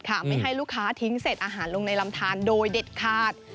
ไม่ให้ลูกค้าทิ้งเศษอาหารลงในลำทานโดยเด็ดขาด